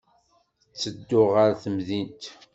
Ttedduɣ ɣer temdint.